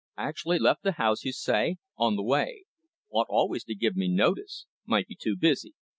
"Actually left the house, you say, on the way. Ought always to give me notice. Might be too busy.